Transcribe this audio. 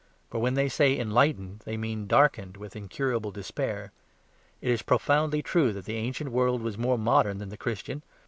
For when they say "enlightened" they mean darkened with incurable despair. It is profoundly true that the ancient world was more modern than the Christian.